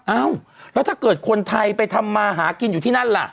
เอ้าแล้วถ้าเกิดคนไทยไปทำมาหากินอยู่ที่นั่นล่ะ